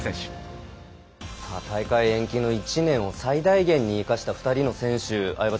大会延期の１年を最大限に生かした２人の選手